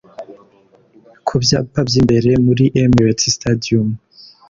ku byapa by’imbere muri Emirates Stadium